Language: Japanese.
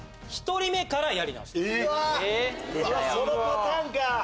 そのパターンか。